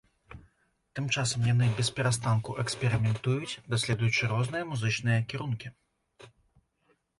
Тым часам яны бесперастанку эксперыментуюць, даследуючы розныя музычныя кірункі.